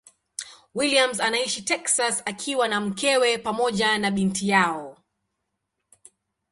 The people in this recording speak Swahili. Williams anaishi Texas akiwa na mkewe pamoja na binti yao.